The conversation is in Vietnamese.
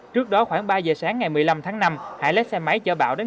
trước đó khoảng ba giờ sáng ngày một mươi năm tháng năm hải lét xe máy chở bão đến